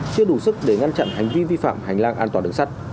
chưa đủ sức để ngăn chặn hành vi vi phạm hành lang an toàn đường sắt